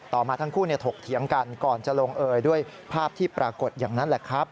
มาทั้งคู่ถกเถียงกันก่อนจะลงเอยด้วยภาพที่ปรากฏอย่างนั้นแหละครับ